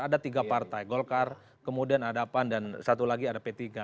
ada tiga partai golkar kemudian ada pan dan satu lagi ada p tiga